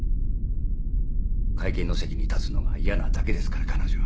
会見の席に立つのが嫌なだけですから彼女は。